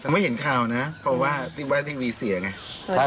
ไม่เห็นข่าวนะครับเพราะว่าว่าทีวีเสียไง